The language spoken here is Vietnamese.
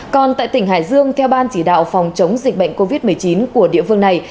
còn tại tỉnh hải dương theo ban chỉ đạo phòng chống dịch bệnh covid một mươi chín của địa phương này